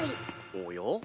おや？